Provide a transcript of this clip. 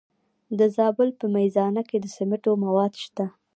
د زابل په میزانه کې د سمنټو مواد شته.